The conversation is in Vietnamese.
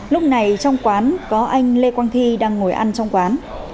lúc này trong quán có anh lê quang thi đang ngồi ăn trong quán